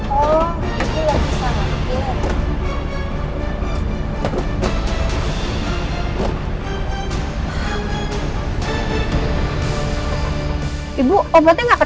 oh ibu lagi sakit